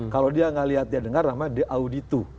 kalau dia tidak lihat dia dengar namanya diauditu